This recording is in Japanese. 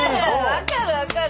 分かる分かる！